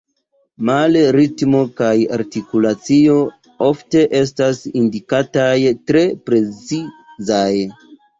Male ritmo kaj artikulacio ofte estas indikataj tre precizaj.